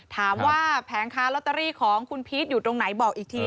แผงค้าลอตเตอรี่ของคุณพีชอยู่ตรงไหนบอกอีกที